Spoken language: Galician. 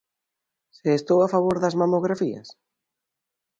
Se estou a favor das mamografías?